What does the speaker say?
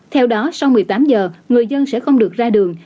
theo đó sau một mươi tám giờ người dân sẽ không được ra đường